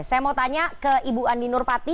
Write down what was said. saya mau tanya ke ibu andi nurpati